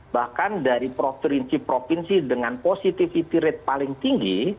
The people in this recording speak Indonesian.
bahkan dari provinsi provinsi dengan positivity rate paling tinggi